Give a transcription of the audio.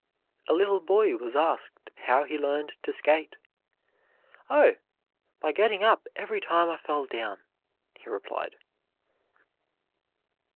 A little boy was asked how he learned to skate. "Oh, by getting up every time I fell down," he replied.